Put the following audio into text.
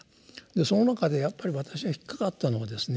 その中でやっぱり私が引っ掛かったのはですね